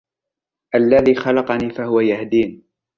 الَّذِي خَلَقَنِي فَهُوَ يَهْدِينِ